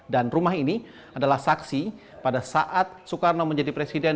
dan rumah ini adalah saksi pada saat sukarno menjadi presiden